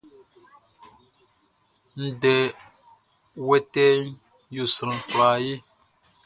Ndɛ wɛtɛɛʼn yo sran kwlaa ye.